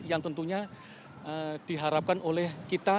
yang tentunya diharapkan oleh kita